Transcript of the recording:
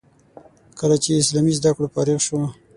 کله چې له اسلامي زده کړو فارغ شو.